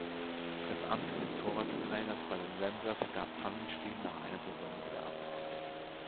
Das Amt des Torwarttrainers bei den Ramblers gab Pfannenstiel nach einer Saison wieder ab.